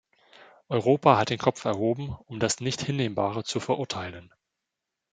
Europa hat den Kopf erhoben, um das Nichthinnehmbare zu verurteilen.